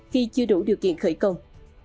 khi chưa đủ điều kiện khởi công